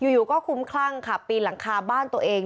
อยู่ก็คุ้มคลั่งค่ะปีนหลังคาบ้านตัวเอง